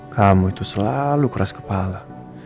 kamu itu selalu keras kepala